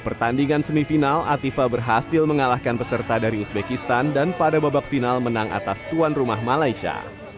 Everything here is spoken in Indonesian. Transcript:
pertandingan semifinal atifa berhasil mengalahkan peserta dari uzbekistan dan pada babak final menang atas tuan rumah malaysia